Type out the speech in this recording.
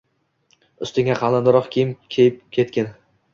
Ustingga qalinroq kiyim kiyib ketgin